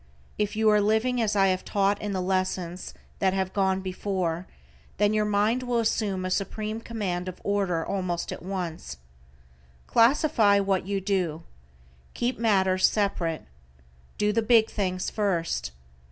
If you are living as I have taught in the lessons that have gone before, then your mind will assume a supreme command of order almost at once. Classify what you do. Keep matters separate. Do the big things first.